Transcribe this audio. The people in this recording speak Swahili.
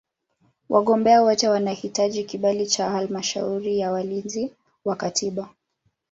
Wagombea wote wanahitaji kibali cha Halmashauri ya Walinzi wa Katiba.